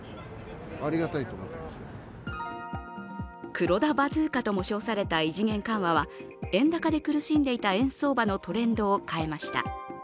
黒田バズーカとも称された異次元緩和は円高で苦しんでいた円相場のトレンドを変えました。